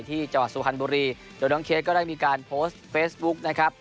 ที่จัวร์สุฮันบุรีโดยน้องเคสก็ได้มีการโพสต์เฟสบุ๊กนะครับ